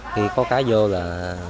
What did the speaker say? khi có cá vô là